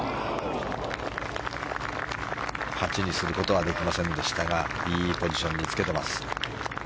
８にすることはできませんでしたがいいポジションにつけてます。